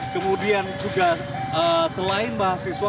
kemudian juga selain mahasiswa